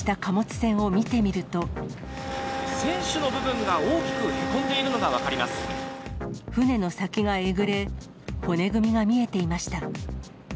船首の部分が大きくへこんで船の先がえぐれ、骨組みが見えていました。